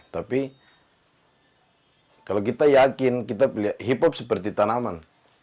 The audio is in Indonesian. tapi kalau kita yakin kita hip hop seperti tanaman